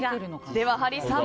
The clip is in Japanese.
ではハリーさん